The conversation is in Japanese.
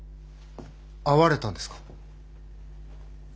会われたんですか？